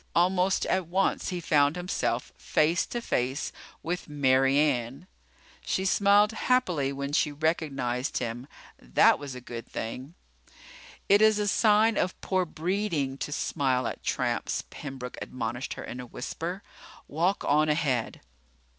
Almost at once he found himself face to face with Mary Ann. She smiled happily when she recognized him. That was a good thing. "It is a sign of poor breeding to smile at tramps," Pembroke admonished her in a whisper. "Walk on ahead."